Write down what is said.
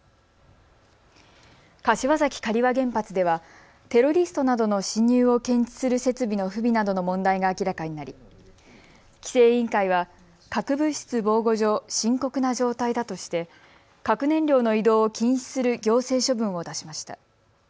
柏崎刈羽原発ではテロリストなどの侵入を検知する設備の不備などの問題が明らかになり、規制委員会は核物質防護上、深刻な状態だとして核燃料の移動を禁止する行政処分を出しました。